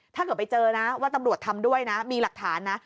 ถ้าเกิดไปเจอนะว่าตำรวจทำด้วยนะมีหลักฐานนะ